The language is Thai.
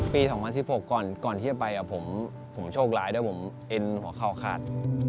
ปี๒๐๑๖ก่อนที่จะไปผมโชคล้ายผมเอ็นหัวข้าวขาด